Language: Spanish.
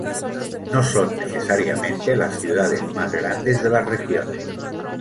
No son necesariamente las ciudades más grandes de las regiones.